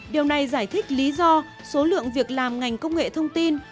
điều này giải thích lý do số lượng việc làm ngành công nghệ thông tin